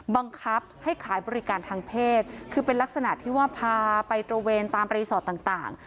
บังคับให้ขายบริการทางเพศคือเป็นลักษณะที่ว่าพาไปตระเวนตามรีสอร์ทต่าง